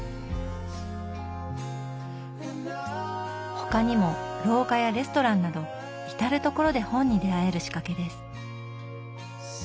他にも廊下やレストランなど至る所で本に出会える仕掛けです。